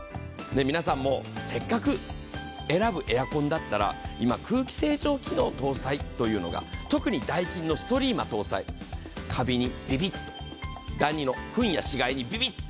皆さんもせっかく選ぶエアコンだったら、今、空気清浄機能搭載というのが、特にダイキンのストリーマ搭載、かびにビビッ、ダニのふんや死骸にビビッ。